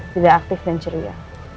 tidak aktif dan ceria